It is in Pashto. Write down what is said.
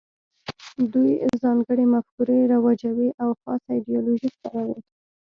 دوی ځانګړې مفکورې رواجوي او خاصه ایدیالوژي خپروي